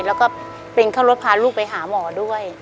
แล้วก็เป็นเข้ารถพาลูกไปหาหมอด้วย